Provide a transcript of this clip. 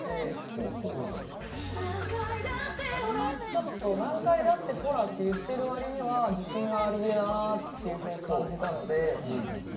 ちょっと「何回だってほら」って言ってる割には自信がありげだなあっていうふうに感じたので。